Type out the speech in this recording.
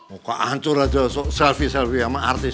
maka ancur aja selfie selfie sama artis